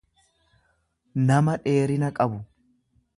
nama dheerina qabu.